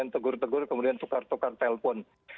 tegur tegur kemudian tukar tukar telpon